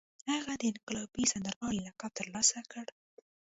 هغه د انقلابي سندرغاړي لقب ترلاسه کړ